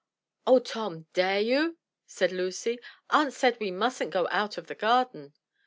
"Oh, Tom, dare you?" said Lucy. "Aunt said we mustn't go out of the garden."